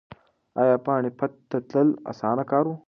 ایا پاني پت ته تلل اسانه کار و؟